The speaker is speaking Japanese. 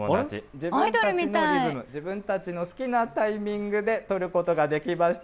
自分たちのリズム、自分たちの好きなタイミングで撮ることができました。